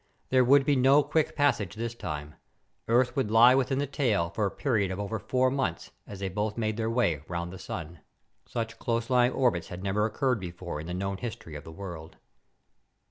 There would be no quick passage this time. Earth would lie within the tail for a period of over four months as they both made their way about the sun. Such close lying orbits had never occurred before in the known history of the world.